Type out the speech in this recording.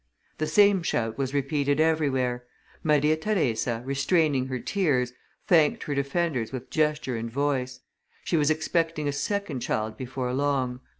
The same shout was repeated everywhere; Maria Theresa, restraining her tears, thanked her defenders with gesture and voice; she was expecting a second child before long.